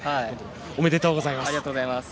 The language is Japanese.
おめでとうございます。